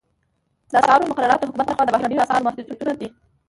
د اسعارو مقررات د حکومت لخوا د بهرنیو اسعارو محدودیتونه دي